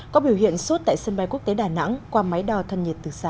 có biểu hiện sốt tại sân bay quốc tế đà nẵng qua máy đo thân nhiệt từ xa